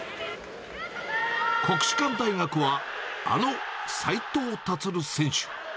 国士舘大学は、あの斉藤立選手。